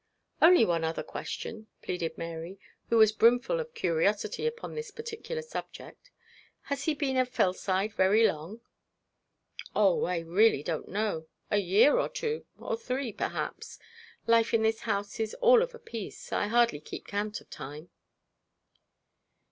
'Only one other question,' pleaded Mary, who was brimful of curiosity upon this particular subject. 'Has he been at Fellside very long?' 'Oh, I really don't know; a year, or two, or three, perhaps. Life in this house is all of a piece. I hardly keep count of time.'